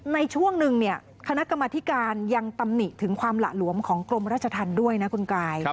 ในช่วงหนึ่งเนี่ยคณะกรรมธิการยังตำหนิถึงความหละหลวมของกรมราชธรรมด้วยนะคุณกาย